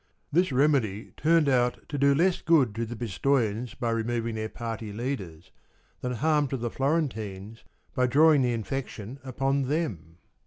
This remedy turned out to do less good to the Pis toians by removing their party leaders, than harm to the Florentines by drawing the infection upon them.